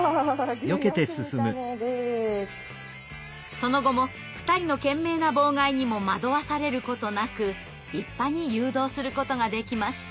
その後も２人の懸命な妨害にも惑わされることなく立派に誘導することができました。